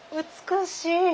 美しい。